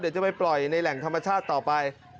เดี๋ยวจะไปปล่อยในแหล่งธรรมชาติต่อไป